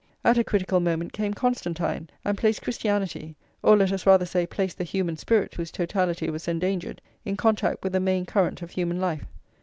At a critical moment came Constantine, and placed Christianity, or let us rather say, placed the human spirit, whose totality was endangered, in contact with the main current of human life.